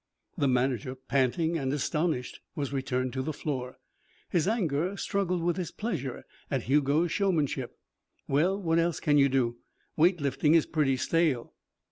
The manager, panting and astonished, was returned to the floor. His anger struggled with his pleasure at Hugo's showmanship. "Well, what else can you do? Weight lifting is pretty stale."